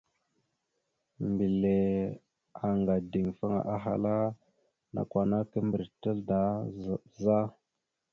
Mbile anga ideŋfaŋa, ahala: « Nakw ana kimbrec naɗ da za? ».